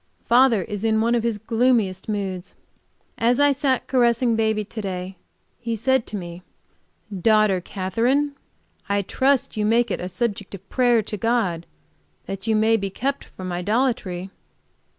Father is in one of his gloomiest moods. As I sat caressing baby to day he said to me: "Daughter Katherine, I trust you make it a subject of prayer to God that you may be kept from idolatry."